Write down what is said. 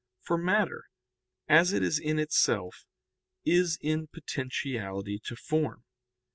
For matter, as it is in itself, is in potentiality to form.